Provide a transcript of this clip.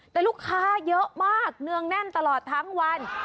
แต่ลูกค้าเยอะมากเนืองแน่นตลอดทั้งวัน